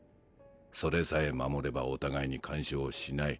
それさえ守ればお互いに干渉しない。